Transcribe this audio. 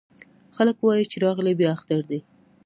خلک وايې چې راغلی بيا اختر دی